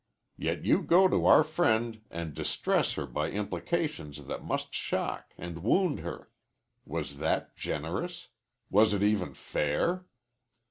Yet you go to our friend and distress her by implications that must shock and wound her. Was that generous? Was it even fair?"